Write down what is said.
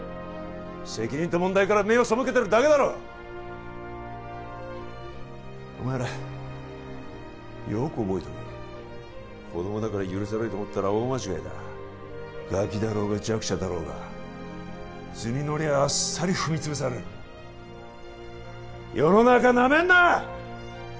責任と問題から目を背けてるだけだろお前らよく覚えとけ子供だから許されると思ったら大間違いだガキだろうが弱者だろうが図に乗りゃあっさり踏み潰される世の中ナメんな！